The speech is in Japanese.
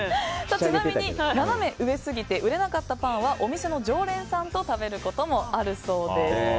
ちなみにナナメ上すぎて売れなかったパンはお店の常連さんと食べることもあるそうです。